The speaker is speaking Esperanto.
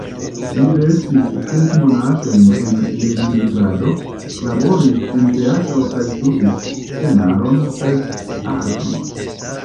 Li restis ses monatojn en Leningrado, laboris en teatro kaj studis scenaron kaj arton.